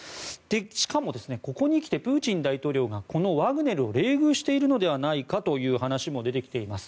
しかも、ここにきてプーチン大統領がワグネルを冷遇しているのではないかという話も出てきています。